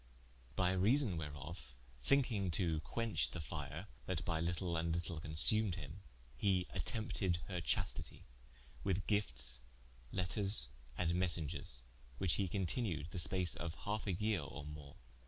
By reason whereof, thincking to quench the fire, that by litle and litle consumed him, he attempted her chastity, with giftes, letters, and messengers, which he continued the space of halfe a yeare or more.